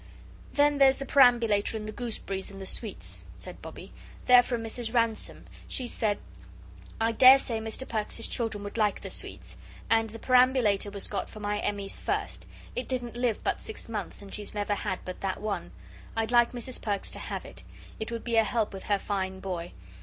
"Then there's the perambulator and the gooseberries, and the sweets," said Bobbie, "they're from Mrs. Ransome. She said: 'I dare say Mr. Perks's children would like the sweets. And the perambulator was got for my Emmie's first it didn't live but six months, and she's never had but that one. I'd like Mrs. Perks to have it. It would be a help with her fine boy.